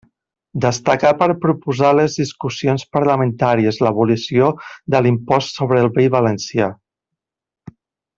Destacà per proposar a les discussions parlamentàries l'abolició de l'impost sobre el vi valencià.